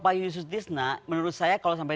pak yusutisna menurut saya kalau sampai